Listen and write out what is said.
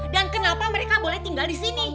dan kenapa mereka boleh tinggal disini